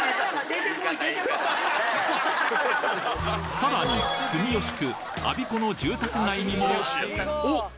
さらに住吉区あびこの住宅街にもおっ！